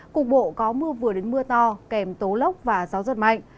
cục bộ có mưa vừa đến mưa to kèm tố lốc và gió giật mạnh